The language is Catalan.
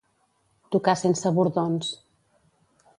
Tocar sense bordons.